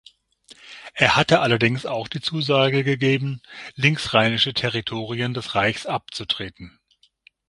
Er hatte allerdings auch die Zusage gegeben, linksrheinische Territorien des Reichs abzutreten.